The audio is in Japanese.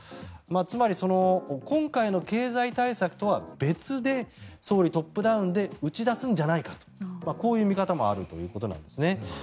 つまり、今回の経済対策とは別で総理トップダウンで打ち出すんじゃないかとこういう見方もあるということなんですね。